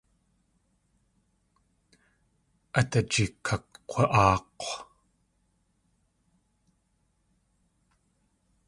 Át ajikakg̲wa.áak̲w.